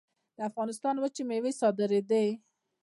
د افغانستان وچې میوې صادرېدې